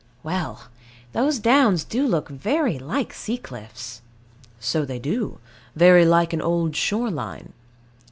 Well, those downs do look very like sea cliffs. So they do, very like an old shore line.